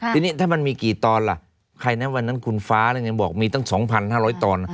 ทีนี้ถ้ามันมีกี่ตอนล่ะใครนะวันนั้นคุณฟ้าแล้วยังบอกมีตั้ง๒๕๐๐ตอน